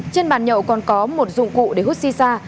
trên bàn nhậu còn có một dụng cụ để hút si sa